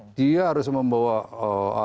ada si ainmo investasi di indonesia